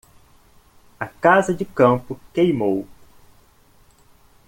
A casa de campo queimou.